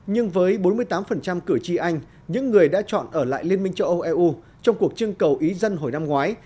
nhưng với bốn mươi tám cử tri anh những người đã chọn ở lại liên minh châu âu eu trong cuộc trưng cầu ý dân hồi năm ngoái